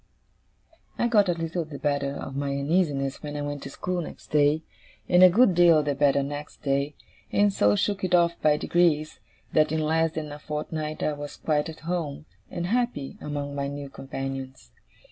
I got a little the better of my uneasiness when I went to school next day, and a good deal the better next day, and so shook it off by degrees, that in less than a fortnight I was quite at home, and happy, among my new companions.